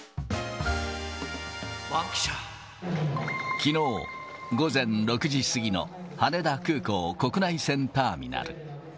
きのう午前６時過ぎの、羽田空港国内線ターミナル。